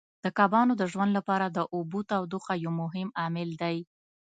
د کبانو د ژوند لپاره د اوبو تودوخه یو مهم عامل دی.